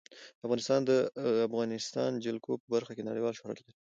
افغانستان د د افغانستان جلکو په برخه کې نړیوال شهرت لري.